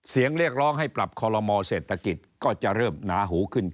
เสียงเรียกร้องให้ปรับคอลโลมอเศรษฐกิจก็จะเริ่มหนาหูขึ้น